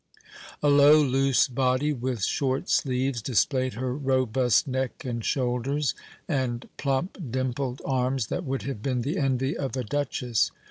A low, loose body with short sleeves displayed her robust neck and shoulders, and plump, dimpled arms that would have been the envy of a duchess.